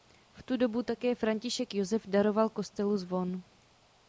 V tu dobu také František Josef daroval kostelu zvon.